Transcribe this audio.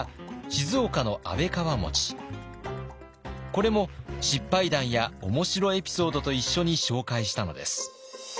これも失敗談や面白エピソードと一緒に紹介したのです。